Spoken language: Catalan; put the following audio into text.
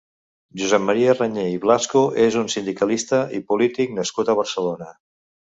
Josep Maria Rañé i Blasco és un sindicalista i polític nascut a Barcelona.